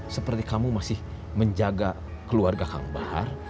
seperti kamu masih menjaga keluarga kang bahar